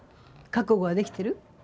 覚悟はできてる？